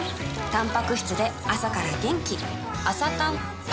たんぱく質で朝から元気